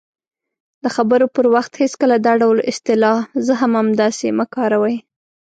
-د خبرو پر وخت هېڅکله دا ډول اصطلاح"زه هم همداسې" مه کاروئ :